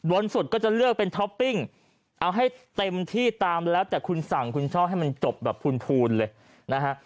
สุดก็จะเลือกเป็นท็อปปิ้งเอาให้เต็มที่ตามแล้วแต่คุณสั่งคุณช่อให้มันจบแบบพูนเลยนะฮะ